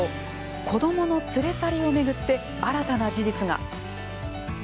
子どもの連れ去りを巡って新たな事実が。